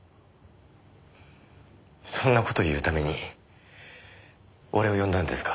そんな事を言うために俺を呼んだんですか？